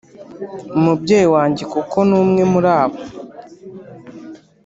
umubyeyi wanjye kuko n’umwe muri abo